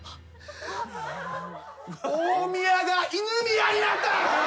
大宮が犬宮になった。